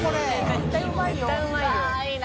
絶対うまいよ。